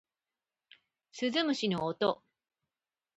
鈴虫の音